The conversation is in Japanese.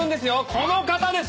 この方です。